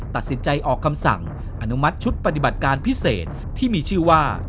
ตัดสินใจออกคำสั่งอนุมัติชุดปฏิบัติการพิเศษที่มีชื่อว่า